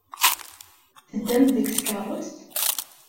Teddam-d deg tkeṛṛust?